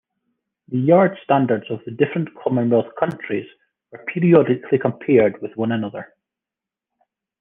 The yard standards of the different Commonwealth countries were periodically compared with one another.